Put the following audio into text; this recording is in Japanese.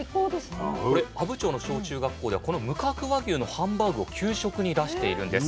これ阿武町の小中学校ではこの無角和牛のハンバーグを給食に出しているんです。